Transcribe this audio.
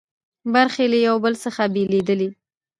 برخې له یو بل څخه بېلېدلې.